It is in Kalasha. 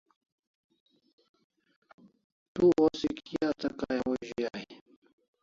Tu osi kia asta kay au zui ai?